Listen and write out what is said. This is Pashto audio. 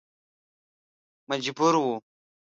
مجبور و.